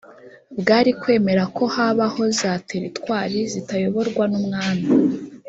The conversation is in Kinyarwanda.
bwari kwemera ko habaho za teritwari zitayoborwa n umwami